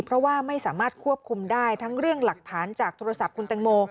เพราะว่าไม่สามารถควบคุมได้ทั้งเรื่องหลักฐานจากโทรศัพท์คุณแตงโม